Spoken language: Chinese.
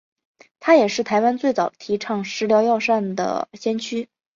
他也是台湾最早提倡食疗药膳的先驱。